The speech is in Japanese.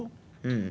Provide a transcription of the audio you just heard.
うん。